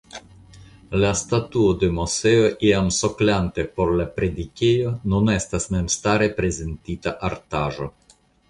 La statuo de Moseo iam soklante por la predikejo nun estas memstare prezentita artaĵo.